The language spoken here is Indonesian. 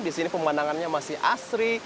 di sini pemandangannya masih asri